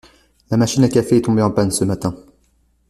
La machine à café est tombée en panne ce matin.